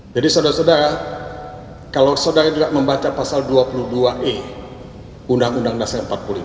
jadi saudara saudara kalau saudara juga membaca pasal dua puluh dua e undang undang dasar empat puluh lima